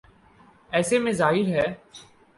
ایسے میں ظاہر ہے۔